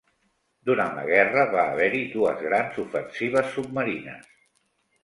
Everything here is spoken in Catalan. Durant la guerra va haver-hi dues grans ofensives submarines.